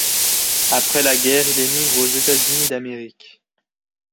Après la guerre il émigre aux États-Unis d’Amérique.